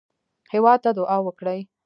هېواد ته دعا وکړئ